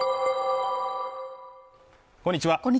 こんにちは